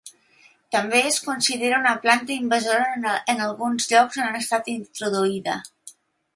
També es considera una planta invasora en alguns llocs on ha estat introduïda.